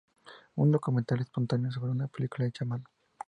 Un documental espontáneo sobre una película hecha a mano.